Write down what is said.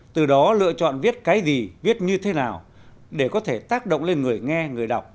từ đó lựa chọn viết cái gì viết như thế nào để có thể tác động lên người nghe người đọc